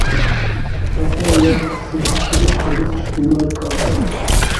სათავე აქვს ციხისჯვრის ქედის ჩრდილოეთ კალთაზე.